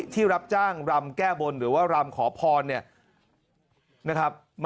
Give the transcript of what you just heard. ที่รับจ้างรำแก้บนหรือว่ารำขอพรเนี่ยนะครับ